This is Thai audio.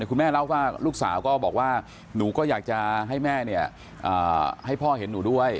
คุณแม่เล่าว่าลูกสาวก็บอกว่าหนูก็อยากจะให้แม่ให้พ่อเห็นหนูด้วย